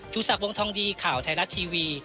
สักวงทองดีข่าวไทยรัฐทีวี